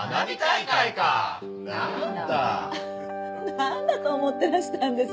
何だと思ってらしたんです。